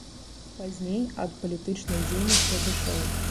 Пазней ад палітычнай дзейнасці адышоў.